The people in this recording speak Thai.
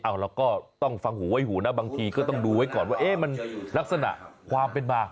เราก็ต้องฟังหูไว้หูนะบางทีก็ต้องดูไว้ก่อนว่าเอ๊ะมันลักษณะความเป็นมา